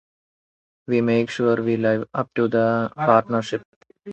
We make sure we live up to the partnership.